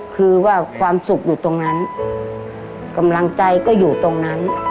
คือว่าความสุขอยู่ตรงนั้นกำลังใจก็อยู่ตรงนั้น